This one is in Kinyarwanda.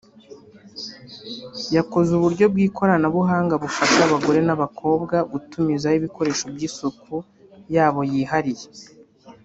Yakoze uburyo bw’ikoranabuhanga bufasha abagore n’abakobwa gutumizaho ibikoresho by’isuku yabo yihariye